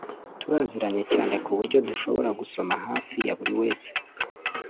Turaziranye cyane kuburyo dushobora gusoma hafi ya buriwese